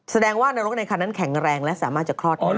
แสดงว่านรกในคันนั้นแข็งแรงและสามารถจะคลอดได้